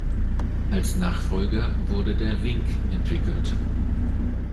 Als Nachfolger wurde der Wink entwickelt.